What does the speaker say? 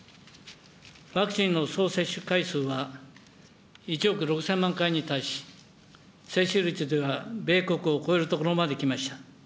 ワクチンの総接種回数は１億６０００万回に達し、接種率では米国を超えるところまできました。